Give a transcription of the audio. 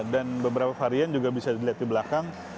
dan beberapa varian juga bisa dilihat di belakang